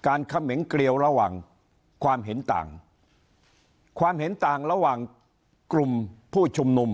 เขมงเกลียวระหว่างความเห็นต่างความเห็นต่างระหว่างกลุ่มผู้ชุมนุม